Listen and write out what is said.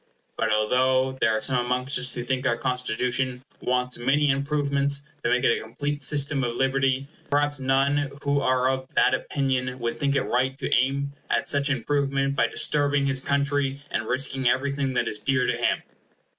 But although there are some amongst us who think our Constitution wants many improvements to make it a complete system of liberty, perhaps none who are of that opinion would think it right to aim at such improvement by disturbing his country, and risking everything that is dear to him.